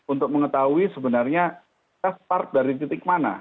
untuk mengetahui sebenarnya kita start dari titik mana